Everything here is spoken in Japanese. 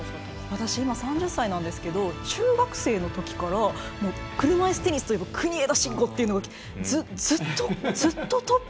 私は今、３０歳なんですが中学生のときから車いすテニスといえば国枝慎吾というのがずっとトップ。